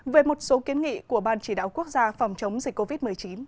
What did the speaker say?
về một số kiến nghị của ban chỉ đạo quốc gia phòng chống dịch covid một mươi chín